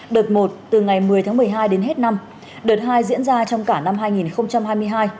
đợt một từ ngày một mươi tháng một mươi hai đến hết năm đợt hai diễn ra trong cả năm hai nghìn hai mươi hai